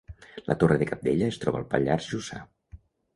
La Torre de Cabdella es troba al Pallars Jussà